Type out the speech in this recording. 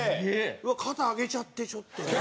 うわっ肩上げちゃってちょっと。